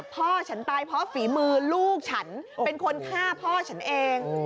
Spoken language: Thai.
พ่อฉันตายเพราะฝีมือลูกฉันเป็นคนฆ่าพ่อฉันเอง